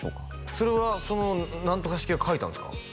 それはその何とか式は書いてあるんですか？